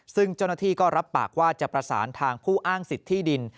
ซึ่งเจ้าหน้าที่ก็รับปากว่าจะประสานทางผู้อ้างสิทธิดิน